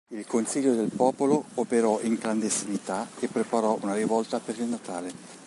Il Consiglio del Popolo operò in clandestinità e preparò una rivolta per il Natale.